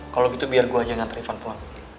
kalau gitu biar gue aja yang ngantri ivan pulang